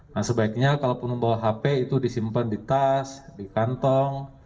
nah sebaiknya kalaupun membawa hp itu disimpan di tas di kantong